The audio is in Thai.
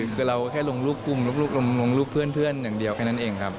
คือเราแค่ลงรูปกลุ่มลูกลงลูกเพื่อนอย่างเดียวแค่นั้นเองครับ